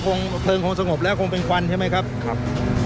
คงเรื่องต้องสงบแล้วคงเป็นควันใช่ไหมครับครับ